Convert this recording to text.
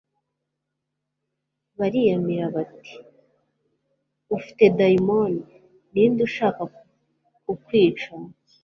bariyamira bati : «Ufite daimoni. Ninde ushaka kukwica?»